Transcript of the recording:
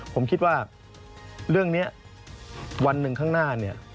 ผมคิดว่าเรื่องนี้วันหนึ่งข้างหน้าเนี่ย